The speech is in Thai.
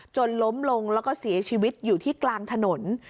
จนล้มลงแล้วก็เสียชีวิตอยู่ที่กลางถนน